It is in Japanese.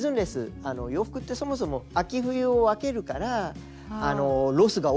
洋服ってそもそも秋冬を分けるからロスが多くなるんです。